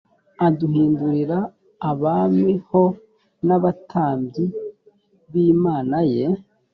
akaduhindura abami h n abatambyi i b imana ye